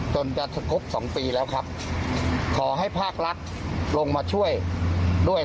จนจะครบสองปีแล้วครับขอให้ภาครัฐลงมาช่วยด้วย